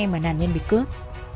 mà nàn nhân bị cướp